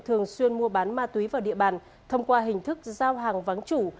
thường xuyên mua bán ma túy vào địa bàn thông qua hình thức giao hàng vắng chủ